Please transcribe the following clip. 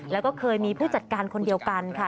แล้วก็เคยมีผู้จัดการคนเดียวกันค่ะ